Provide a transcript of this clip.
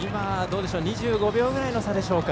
２５秒ぐらいの差でしょうか。